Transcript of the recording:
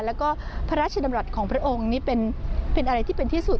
แล้วก็พระราชดำรัฐของพระองค์นี่เป็นอะไรที่เป็นที่สุด